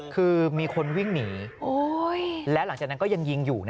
คือมีคนวิ่งหนีแล้วหลังจากนั้นก็ยังยิงอยู่